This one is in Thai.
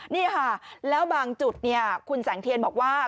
นี่ค่ะแล้วบางจุดคุณแสงเทียนบอกว่า